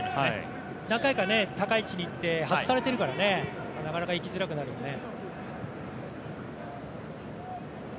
何回か高い位置にいって外されてるからなかなかいきづらくなるよね。